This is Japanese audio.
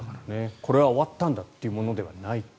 これは終わったんだというものではないと。